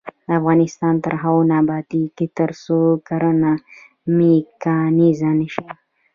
افغانستان تر هغو نه ابادیږي، ترڅو کرنه میکانیزه نشي.